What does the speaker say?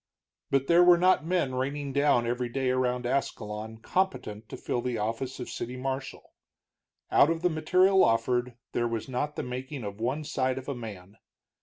But there were not men raining down every day around Ascalon competent to fill the office of city marshal. Out of the material offered there was not the making of one side of a man.